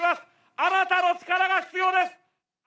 あなたの力が必要です。